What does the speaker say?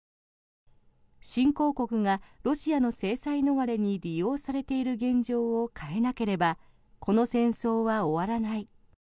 新興国がロシアの制裁逃れに利用されている現状を変えなければこの戦争は終わらない。